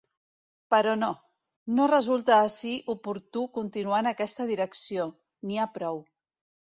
Però no... No resulta ací oportú continuar en aquesta direcció: n’hi ha prou.